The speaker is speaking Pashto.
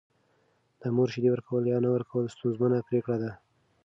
د مور شیدې ورکول یا نه ورکول ستونزمنه پرېکړه ده.